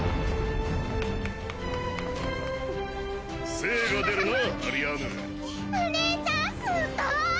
精が出るなアリアーヌお姉ちゃんすごい！